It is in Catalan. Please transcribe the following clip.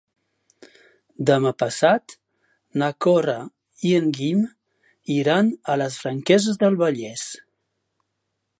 Demà passat na Cora i en Guim iran a les Franqueses del Vallès.